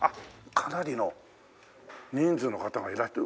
かなりの人数の方がいらしてる。